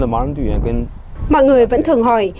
mọi người vẫn thường hỏi